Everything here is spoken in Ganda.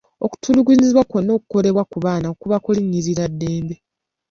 Okutulugunyizibwa kwonna okukolebwa ku baana kuba kulinnyirira ddembe.